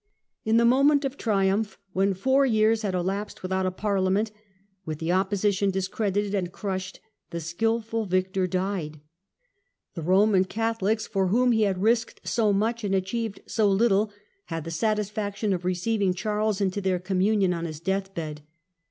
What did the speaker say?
In the moment of triumph, when four years had elapsed without a parliament, with the Opposition discredited and crushed, the skilful victor died. The Roman Death of the Catholics, for whom he had risked so much ^^e* ^«5 and achieved so little, had the satisfaction of receiving Charles into their communion on his deathbed.